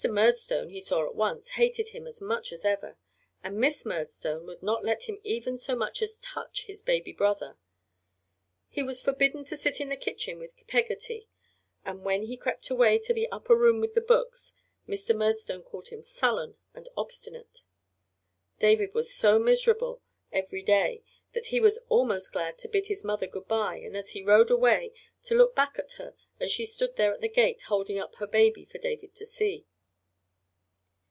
Murdstone, he saw at once, hated him as much as ever, and Miss Murdstone would not let him even so much as touch his baby brother. He was forbidden to sit in the kitchen with Peggotty, and when he crept away to the upper room with the books Mr. Murdstone called him sullen and obstinate. David was so miserable every day that he was almost glad to bid his mother good by, and as he rode away, to look back at her as she stood there at the gate holding up her baby for David to see.